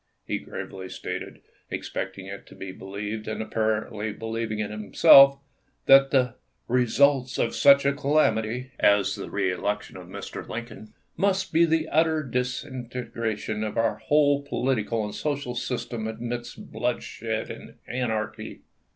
He gravely stated, expecting it to be believed, and apparently believing it himself, that the " results of such a ca lamity [as the reelection of Mr. Lincoln] must be the utter disintegration of our whole political and social system amidst bloodshed and anarchy."